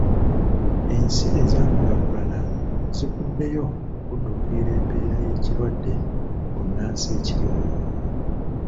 Ensi ezaakulaakulana zivuddeyo okudduukirira embeera y'ekirwadde bbunansi ekiriwo.